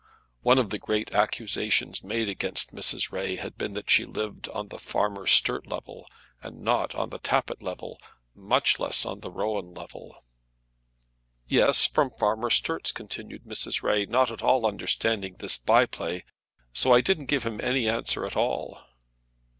One of the great accusations made against Mrs. Ray had been that she lived on the Farmer Sturt level, and not on the Tappitt level; much less on the Rowan level. "Yes, from Farmer Sturt's," continued Mrs. Ray, not at all understanding this by play. "So I didn't give him any answer at all."